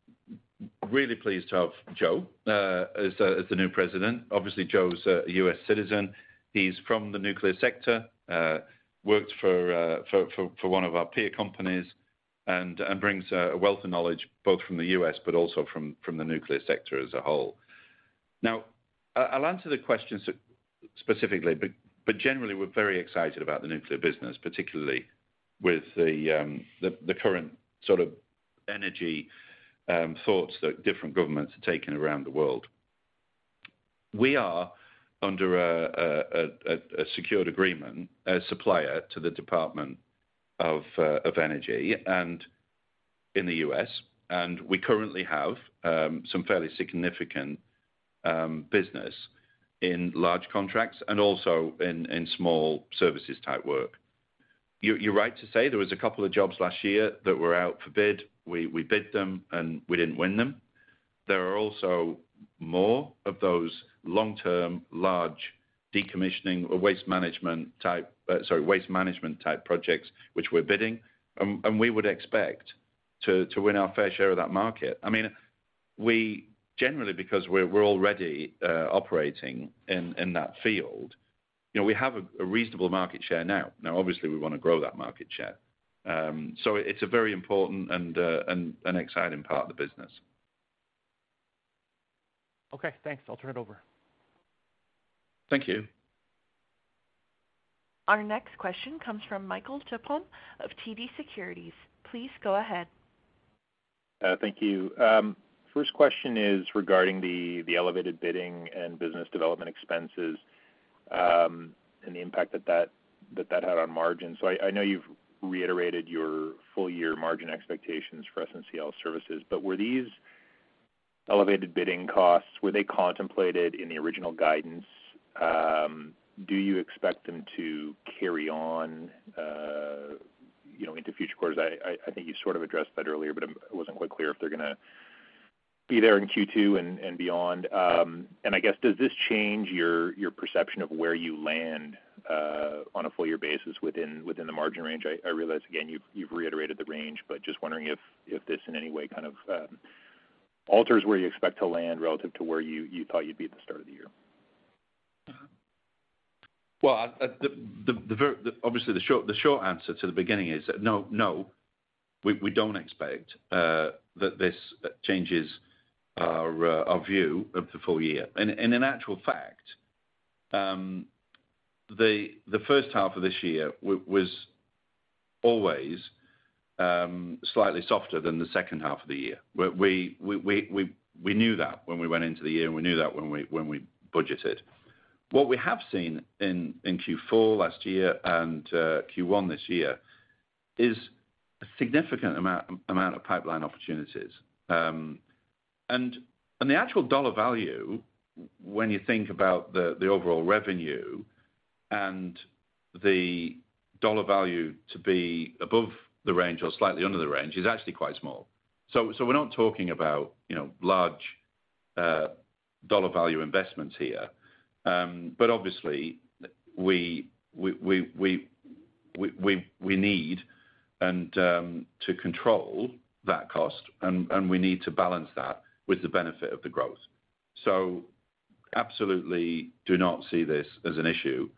really pleased to have Joe as the new president. Obviously, Joe's a U.S. citizen. He's from the nuclear sector, worked for one of our peer companies and brings a wealth of knowledge, both from the U.S. but also from the nuclear sector as a whole. Now, I'll answer the questions specifically, but generally we're very excited about the nuclear business, particularly with the current sort of energy thoughts that different governments are taking around the world. We are under a secured agreement as supplier to the U.S. Department of Energy, and we currently have some fairly significant business in large contracts and also in small services type work. You're right to say there was a couple of jobs last year that were out for bid. We bid them, and we didn't win them. There are also more of those long-term, large decommissioning or waste management-type projects which we're bidding. We would expect to win our fair share of that market. I mean, we generally, because we're already operating in that field, you know, we have a reasonable market share now. Now, obviously, we wanna grow that market share. It's a very important and an exciting part of the business. Okay, thanks. I'll turn it over. Thank you. Our next question comes from Michael Tupholme of TD Securities. Please go ahead. Thank you. First question is regarding the elevated bidding and business development expenses, and the impact that had on margins. I know you've reiterated your full year margin expectations for SNCL Services, but were these elevated bidding costs contemplated in the original guidance? Do you expect them to carry on, you know, into future quarters? I think you sort of addressed that earlier, but it wasn't quite clear if they're gonna be there in Q2 and beyond. I guess, does this change your perception of where you land on a full year basis within the margin range? I realize, again, you've reiterated the range, but just wondering if this in any way kind of alters where you expect to land relative to where you thought you'd be at the start of the year? Well, obviously, the short answer to the beginning is that, no, we don't expect that this changes our view of the full year. In actual fact, the first half of this year was always slightly softer than the second half of the year. We knew that when we went into the year, and we knew that when we budgeted. What we have seen in Q4 last year and Q1 this year is a significant amount of pipeline opportunities. The actual dollar value when you think about the overall revenue and the dollar value to be above the range or slightly under the range is actually quite small. We're not talking about, you know, large dollar value investments here. Obviously we need to control that cost and we need to balance that with the benefit of the growth. Absolutely do not see this as an issue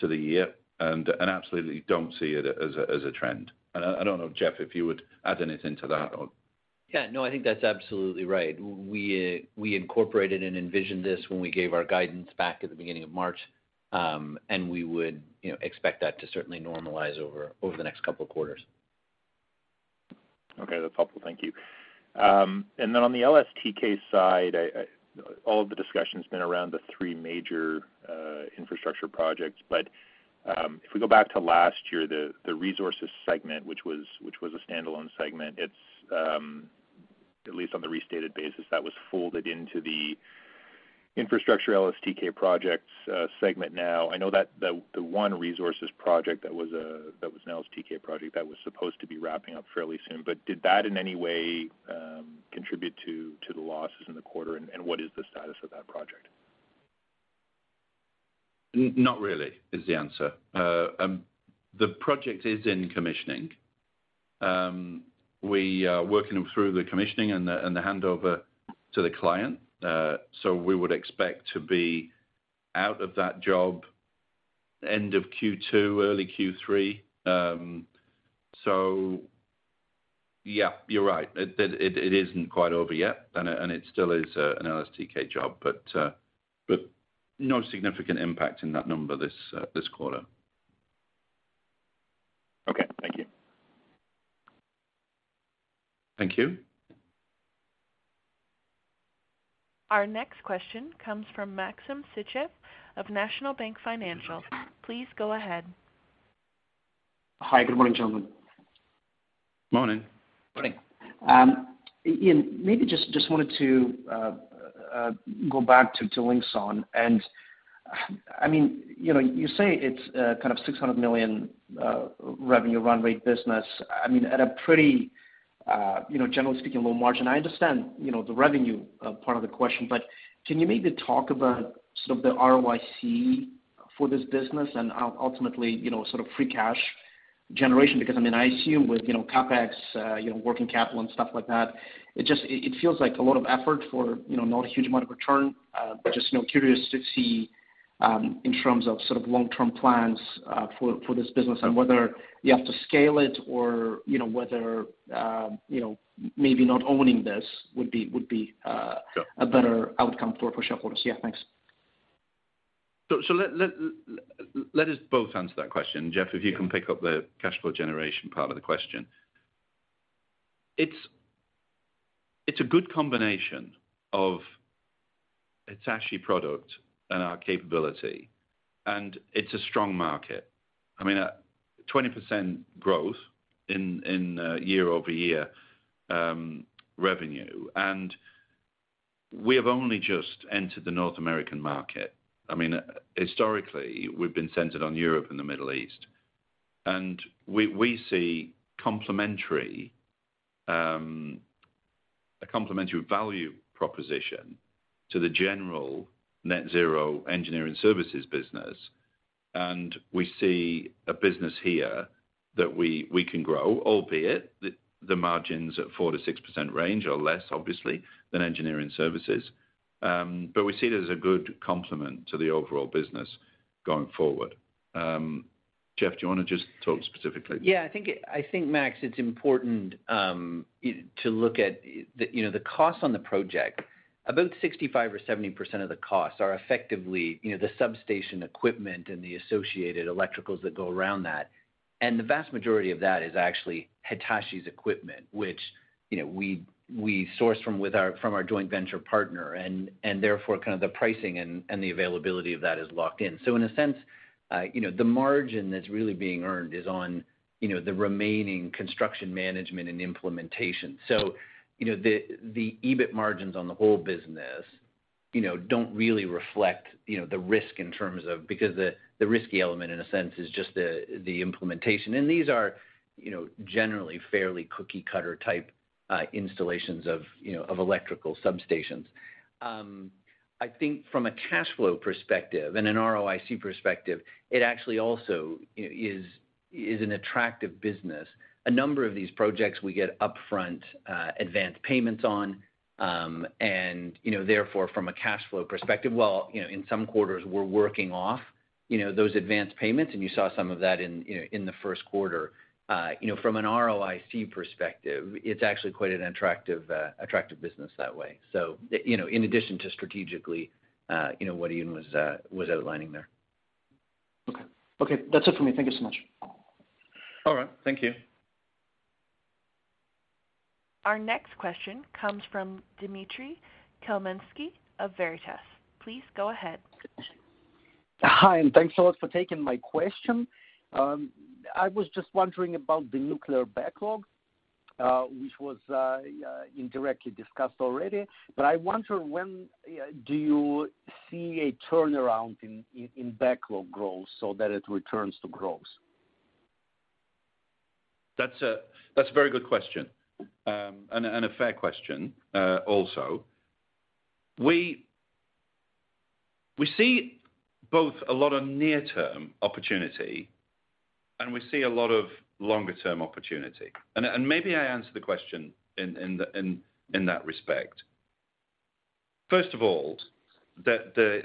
through the year and absolutely don't see it as a trend. I don't know if, Jeff, you would add anything to that or. Yeah. No, I think that's absolutely right. We incorporated and envisioned this when we gave our guidance back at the beginning of March. We would, you know, expect that to certainly normalize over the next couple of quarters. Okay. That's helpful. Thank you. On the LSTK side, all of the discussion's been around the three major infrastructure projects. If we go back to last year, the resources segment, which was a standalone segment, at least on the restated basis, was folded into the infrastructure LSTK projects segment now. I know that the one resources project that was an LSTK project that was supposed to be wrapping up fairly soon. Did that in any way contribute to the losses in the quarter? What is the status of that project? Not really is the answer. The project is in commissioning. We are working through the commissioning and the handover to the client. We would expect to be out of that job end of Q2, early Q3. Yeah, you're right. It isn't quite over yet, and it still is an LSTK job, but no significant impact in that number this quarter. Okay, thank you. Thank you. Our next question comes from Maxim Sytchev of National Bank Financial. Please go ahead. Hi. Good morning, gentlemen. Morning. Morning. Ian, maybe just wanted to go back to Linxon. I mean, you know, you say it's kind of 600 million revenue run rate business. I mean, at a pretty, you know, generally speaking, low margin. I understand, you know, the revenue part of the question, but can you maybe talk about sort of the ROIC for this business and ultimately, you know, sort of free cash generation? Because I mean, I assume with, you know, CapEx, you know, working capital and stuff like that, it feels like a lot of effort for, you know, not a huge amount of return. Just, you know, curious to see in terms of sort of long-term plans for this business and whether you have to scale it or, you know, whether you know, maybe not owning this would be a better outcome for shareholders. Yeah, thanks. Let us both answer that question. Jeff, if you can pick up the cash flow generation part of the question. It's a good combination of Hitachi product and our capability, and it's a strong market. I mean, 20% growth in year-over-year revenue. We have only just entered the North American market. I mean, historically, we've been centered on Europe and the Middle East. We see a complementary value proposition to the general net zero engineering services business. We see a business here that we can grow, albeit the margins at 4%-6% range are less obviously than engineering services. We see it as a good complement to the overall business going forward. Jeff, do you wanna just talk specifically? I think, Max, it's important to look at, you know, the costs on the project. About 65% or 70% of the costs are effectively, you know, the substation equipment and the associated electricals that go around that. The vast majority of that is actually Hitachi's equipment, which, you know, we source from our joint venture partner and therefore kind of the pricing and the availability of that is locked in. In a sense, you know, the margin that's really being earned is on, you know, the remaining construction management and implementation. The EBIT margins on the whole business, you know, don't really reflect, you know, the risk because the risky element in a sense is just the implementation. These are, you know, generally fairly cookie-cutter type installations of, you know, of electrical substations. I think from a cash flow perspective and an ROIC perspective, it actually also is an attractive business. A number of these projects we get upfront advanced payments on. You know, therefore from a cash flow perspective, while, you know, in some quarters we're working off, you know, those advanced payments, and you saw some of that in, you know, in the first quarter. You know, from an ROIC perspective, it's actually quite an attractive business that way. You know, in addition to strategically, you know, what Ian was outlining there. Okay. Okay, that's it for me. Thank you so much. All right, thank you. Our next question comes from Dimitry Khmelnitsky of Veritas Investment Research. Please go ahead. Hi, and thanks a lot for taking my question. I was just wondering about the nuclear backlog, which was indirectly discussed already. I wonder when do you see a turnaround in backlog growth so that it returns to growth? That's a very good question, and a fair question, also. We see both a lot of near-term opportunity and we see a lot of longer term opportunity. Maybe I answer the question in that respect. First of all, the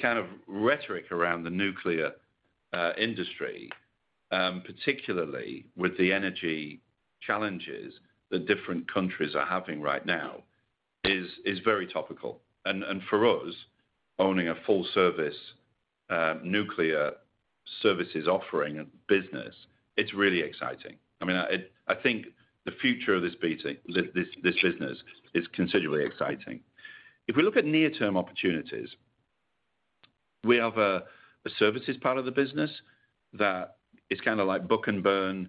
kind of rhetoric around the nuclear industry, particularly with the energy challenges that different countries are having right now, is very topical. For us, owning a full-service nuclear services offering business, it's really exciting. I mean, I think the future of this business, this business is considerably exciting. If we look at near-term opportunities, we have a services part of the business that is kinda like book and bill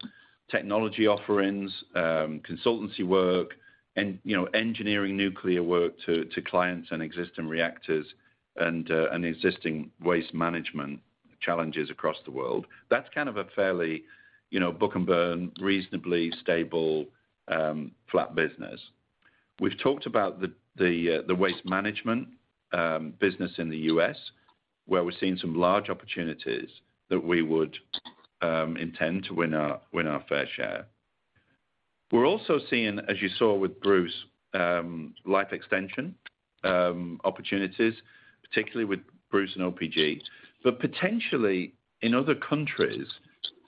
technology offerings, consultancy work, and, you know, engineering nuclear work to clients and existing reactors and existing waste management challenges across the world. That's kind of a fairly, you know, book and bill, reasonably stable, flat business. We've talked about the waste management business in the U.S., where we're seeing some large opportunities that we would intend to win our fair share. We're also seeing, as you saw with Bruce, life extension opportunities, particularly with Bruce and OPG. Potentially in other countries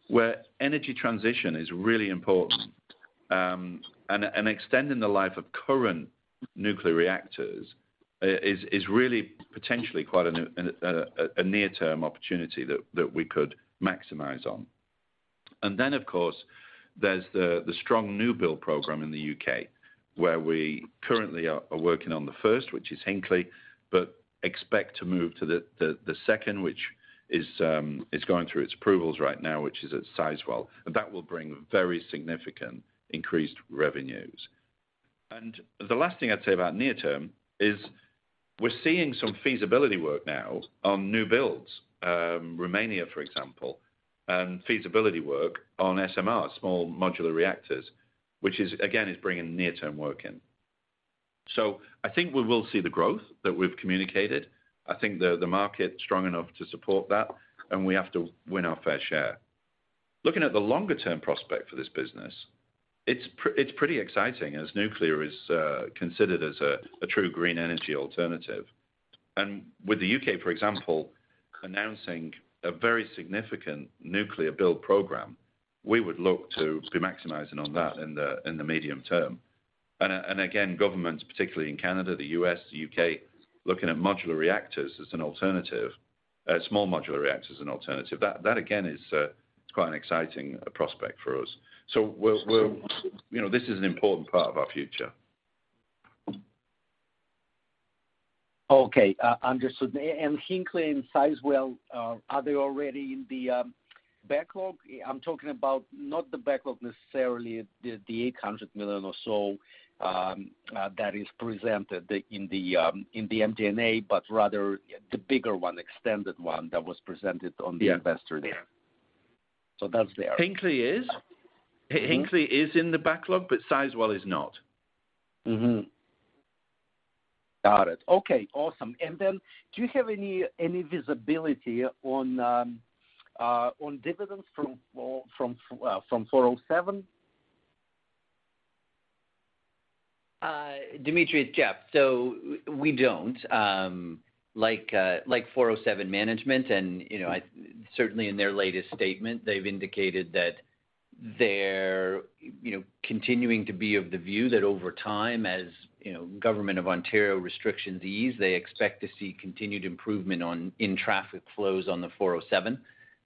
where energy transition is really important, and extending the life of current nuclear reactors is really potentially quite a near-term opportunity that we could maximize on. Of course, there's the strong new build program in the U.K., where we currently are working on the first, which is Hinkley, but expect to move to the second, which is going through its approvals right now, which is at Sizewell. That will bring very significant increased revenues. The last thing I'd say about near term is we're seeing some feasibility work now on new builds, Romania, for example, and feasibility work on SMR, small modular reactors, which is again bringing near-term work in. I think we will see the growth that we've communicated. I think the market is strong enough to support that, and we have to win our fair share. Looking at the longer-term prospect for this business, it's pretty exciting as nuclear is considered as a true green energy alternative. With the U.K., for example, announcing a very significant nuclear build program, we would look to be maximizing on that in the medium term. Again, governments, particularly in Canada, the U.S., the U.K., looking at modular reactors as an alternative, small modular reactors as an alternative. That again is quite an exciting prospect for us. We'll, you know, this is an important part of our future. Okay. Understood. Hinkley and Sizewell, are they already in the backlog? I'm talking about not the backlog necessarily, the 800 million or so that is presented in the MD&A, but rather the bigger one, extended one that was presented on the investor day. Yeah. That's there. Hinkley is. Mm-hmm. Hinkley is in the backlog, but Sizewell is not. Mm-hmm. Got it. Okay, awesome. Do you have any visibility on dividends from 407? Dimitry, it's Jeff. We don't like 407 management and, you know, certainly in their latest statement, they've indicated that they're continuing to be of the view that over time, as you know, Government of Ontario restrictions ease, they expect to see continued improvement in traffic flows on the 407.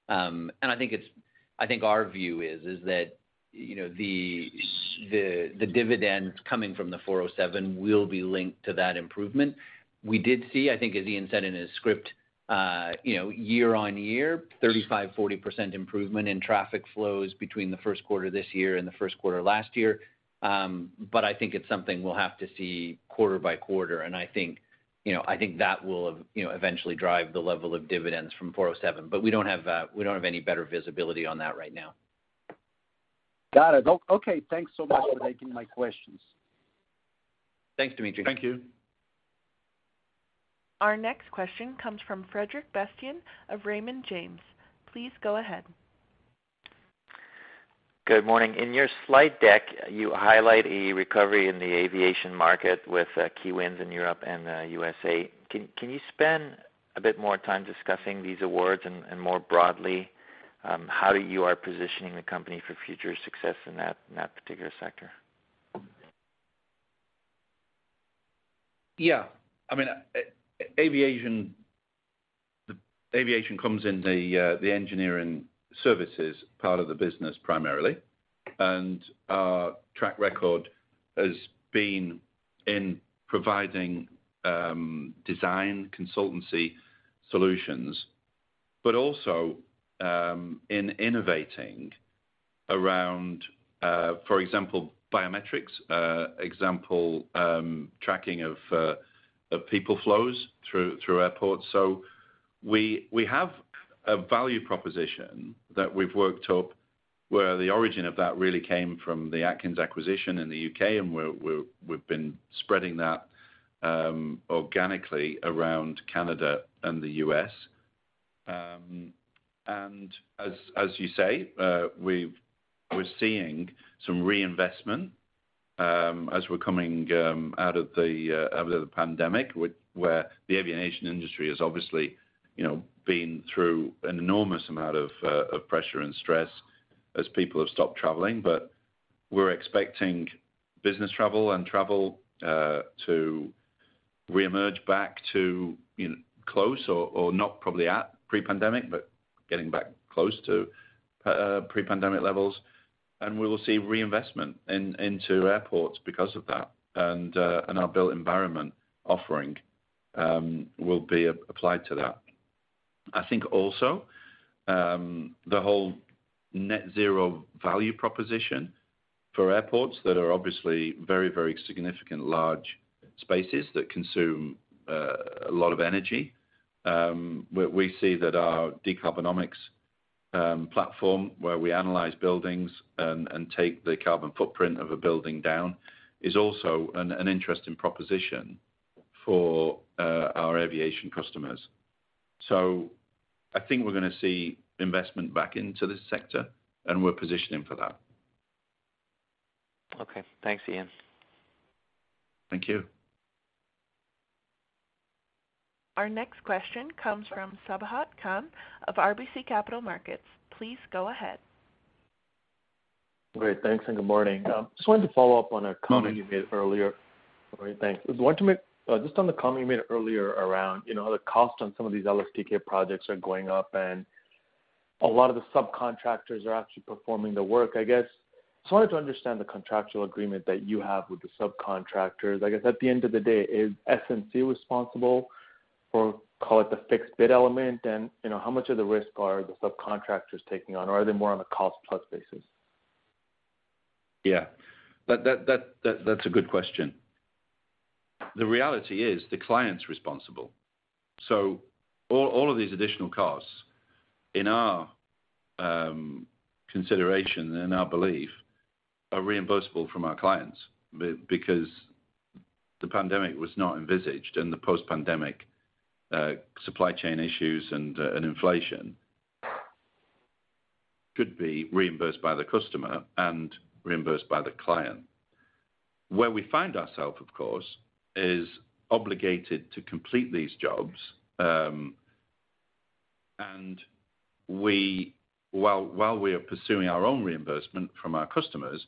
I think our view is that, you know, the dividends coming from the 407 will be linked to that improvement. We did see, I think as Ian said in his script, you know, year-on-year 35%-40% improvement in traffic flows between the first quarter this year and the first quarter last year. I think it's something we'll have to see quarter by quarter. I think, you know, that will, you know, eventually drive the level of dividends from 407. We don't have any better visibility on that right now. Got it. Okay, thanks so much for taking my questions. Thanks, Dmitry. Thank you. Our next question comes from Frederic Bastien of Raymond James. Please go ahead. Good morning. In your slide deck, you highlight a recovery in the aviation market with key wins in Europe and USA. Can you spend a bit more time discussing these awards and more broadly, how you are positioning the company for future success in that particular sector? Yeah. I mean, aviation comes in the engineering services part of the business primarily. Our track record has been in providing design consultancy solutions, but also in innovating around, for example, biometrics, tracking of people flows through airports. We have a value proposition that we've worked up where the origin of that really came from the Atkins acquisition in the UK, and we've been spreading that organically around Canada and the US. As you say, we're seeing some reinvestment as we're coming out of the pandemic, where the aviation industry has obviously, you know, been through an enormous amount of pressure and stress as people have stopped traveling. We're expecting business travel to reemerge back to, you know, close or not probably at pre-pandemic, but getting back close to pre-pandemic levels. We will see reinvestment into airports because of that. Our built environment offering will be applied to that. I think also, the whole net zero value proposition for airports that are obviously very significant large spaces that consume a lot of energy, we see that our Decarbonomics platform where we analyze buildings and take the carbon footprint of a building down is also an interesting proposition for our aviation customers. I think we're gonna see investment back into this sector, and we're positioning for that. Okay. Thanks, Ian. Thank you. Our next question comes from Sabahat Khan of RBC Capital Markets. Please go ahead. Great. Thanks, and good morning. Just wanted to follow up on a comment you made earlier. All right, thanks. Just on the comment you made earlier around, you know, the cost on some of these LSTK projects are going up and a lot of the subcontractors are actually performing the work, I guess. Just wanted to understand the contractual agreement that you have with the subcontractors. I guess at the end of the day, is SNC responsible? Or call it the fixed bid element, and, you know, how much of the risk are the subcontractors taking on? Or are they more on the cost plus basis? That's a good question. The reality is the client's responsible. All of these additional costs, in our consideration and our belief, are reimbursable from our clients because the pandemic was not envisaged and the post-pandemic supply chain issues and inflation could be reimbursed by the customer and reimbursed by the client. Where we find ourselves, of course, is obligated to complete these jobs, and while we are pursuing our own reimbursement from our customers,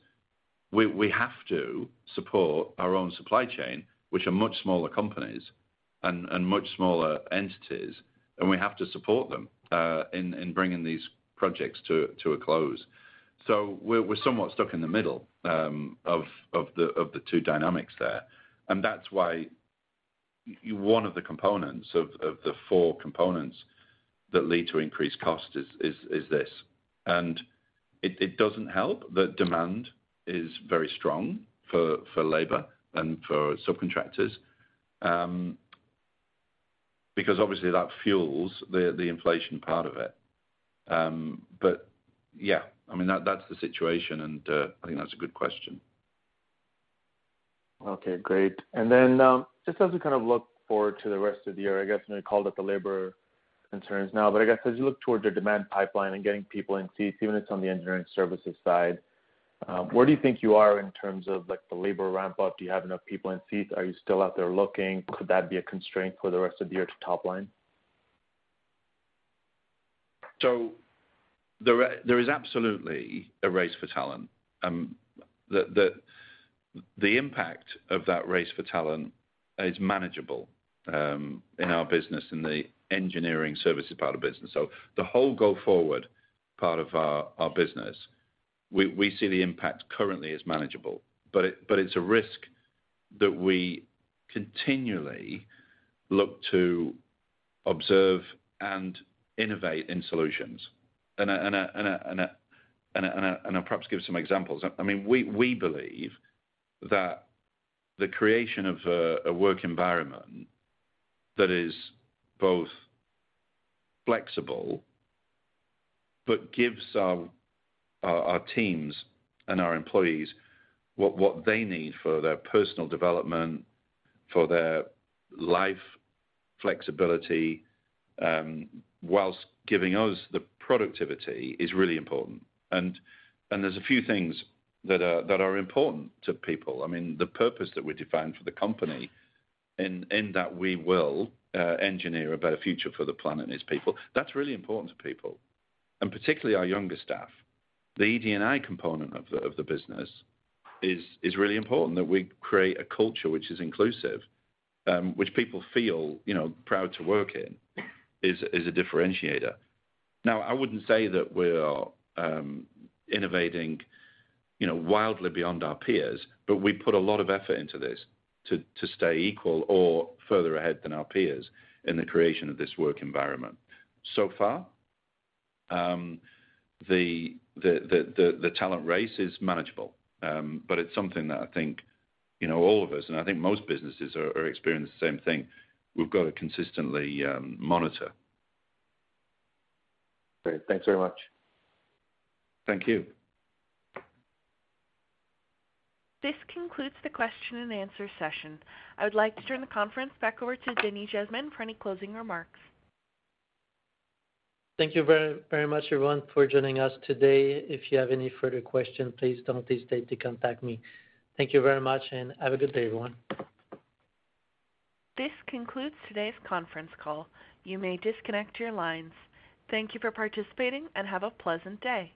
we have to support our own supply chain, which are much smaller companies and much smaller entities, and we have to support them in bringing these projects to a close. We're somewhat stuck in the middle of the two dynamics there. That's why one of the components of the four components that lead to increased cost is this. It doesn't help that demand is very strong for labor and for subcontractors, because obviously that fuels the inflation part of it. Yeah, I mean, that's the situation, and I think that's a good question. Okay, great. Just as we kind of look forward to the rest of the year, I guess, you called it the labor concerns now, but I guess as you look toward your demand pipeline and getting people in seats, even if it's on the engineering services side, where do you think you are in terms of, like, the labor ramp up? Do you have enough people in seats? Are you still out there looking? Could that be a constraint for the rest of the year to top line? There is absolutely a race for talent. The impact of that race for talent is manageable in our business, in the engineering services part of business. The whole go-forward part of our business, we see the impact currently as manageable. It's a risk that we continually look to observe and innovate in solutions. I'll perhaps give some examples. I mean, we believe that the creation of a work environment that is both flexible but gives our teams and our employees what they need for their personal development, for their life flexibility, while giving us the productivity is really important. There's a few things that are important to people. I mean, the purpose that we define for the company in that we will engineer a better future for the planet and its people, that's really important to people, and particularly our younger staff. The ED&I component of the business is really important, that we create a culture which is inclusive, which people feel, you know, proud to work in, is a differentiator. Now, I wouldn't say that we're innovating, you know, wildly beyond our peers, but we put a lot of effort into this to stay equal or further ahead than our peers in the creation of this work environment. So far, the talent race is manageable, but it's something that I think, you know, all of us and I think most businesses are experiencing the same thing. We've got to consistently monitor. Great. Thanks very much. Thank you. This concludes the question and answer session. I would like to turn the conference back over to Denis Jasmin for any closing remarks. Thank you very, very much, everyone, for joining us today. If you have any further questions, please don't hesitate to contact me. Thank you very much, and have a good day, everyone. This concludes today's conference call. You may disconnect your lines. Thank you for participating, and have a pleasant day.